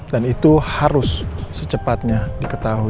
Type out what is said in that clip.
dan itu harus secepatnya diketahui